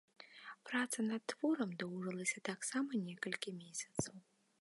Праца над творам доўжылася таксама некалькі месяцаў.